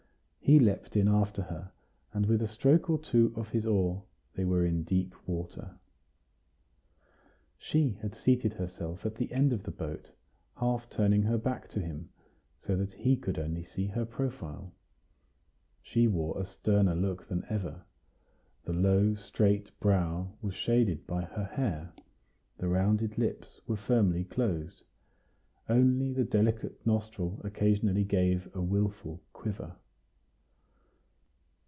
He leaped in after her, and with a stroke or two of his oar they were in deep water. She had seated herself at the end of the boat, half turning her back to him, so that he could only see her profile. She wore a sterner look than ever; the low, straight brow was shaded by her hair; the rounded lips were firmly closed; only the delicate nostril occasionally gave a wilful quiver.